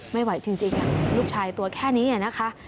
ไม่ไหวจริงลูกชายตัวแค่นี้นะคะ